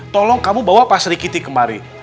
tolong kamu bawa pak serikiti kemari